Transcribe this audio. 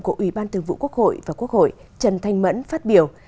của ủy ban tường vụ quốc hội và quốc hội trần thanh mẫn phát biểu